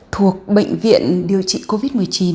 thuộc bệnh viện điều trị covid một mươi chín